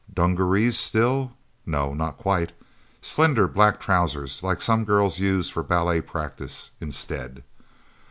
Dungarees, still? No, not quite. Slender black trousers, like some girls use for ballet practice, instead.